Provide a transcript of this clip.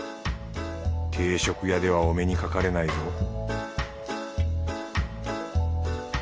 定食屋ではお目にかかれないぞ